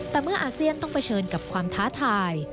แต่เมื่ออาเซียนต้องเผชิญกับความท้าทาย